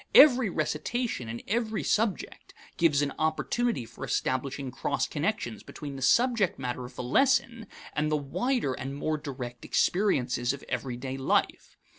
Every recitation in every subject gives an opportunity for establishing cross connections between the subject matter of the lesson and the wider and more direct experiences of everyday life.